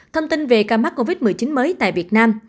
thông tin về ca mắc covid một mươi chín mới tại việt nam